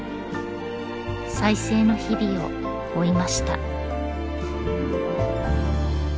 再生の日々を追いました。